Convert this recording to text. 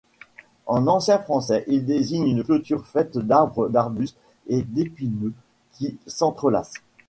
En ancien français, il désigne une clôture faite d'arbres, d'arbustes et d'épineux qui s'entrelacent.